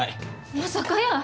まさかやー。